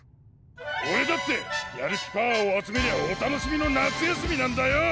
オレだってやる気パワーを集めりゃお楽しみの夏休みなんだよ！